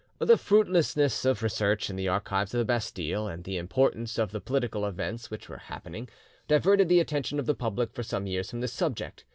The fruitlessness of research in the archives of the Bastille, and the importance of the political events which were happening, diverted the attention of the public for some years from this subject.